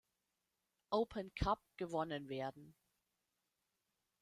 Open Cup gewonnen werden.